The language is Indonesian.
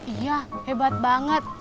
iya hebat banget